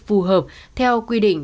phù hợp theo quy định